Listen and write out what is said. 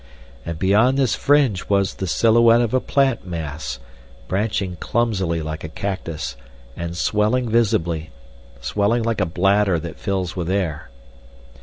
And beyond this fringe was the silhouette of a plant mass, branching clumsily like a cactus, and swelling visibly, swelling like a bladder that fills with air.